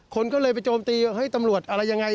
คนก็เลยไปโจมตีว่าเฮ้ยตำรวจอะไรยังไง